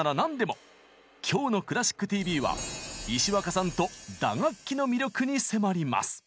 今日の「クラシックＴＶ」は石若さんと打楽器の魅力に迫ります！